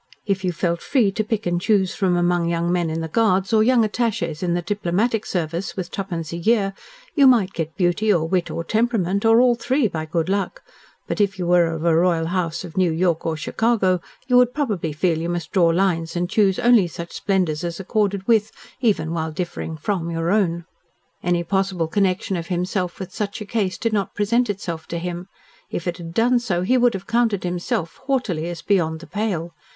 If you felt free to pick and choose from among young men in the Guards or young attaches in the Diplomatic Service with twopence a year, you might get beauty or wit or temperament or all three by good luck, but if you were of a royal house of New York or Chicago, you would probably feel you must draw lines and choose only such splendours as accorded with, even while differing from, your own. Any possible connection of himself with such a case did not present itself to him. If it had done so, he would have counted himself, haughtily, as beyond the pale.